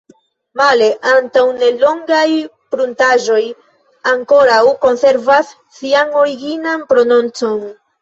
Male antaŭnelongaj pruntaĵoj ankoraŭ konservas sian originan prononcon.